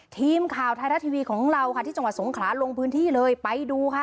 ทีมข่าวไทยรัฐทีวีของเราค่ะที่จังหวัดสงขลาลงพื้นที่เลยไปดูค่ะ